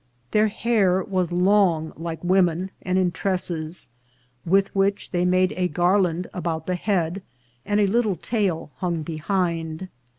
Their Hair was long like Women, and in Tresses, with which they made a Gar land about the Head, and a little Tail hung behind."